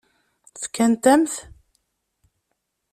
Fkant-am-t?